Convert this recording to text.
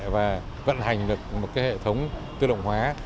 và vận hành được một hệ thống tự động hóa